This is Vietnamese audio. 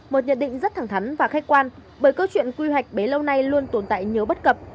một nhận định rất thẳng thắn và khách quan bởi câu chuyện quy hoạch bấy lâu nay luôn tồn tại nhiều bất cập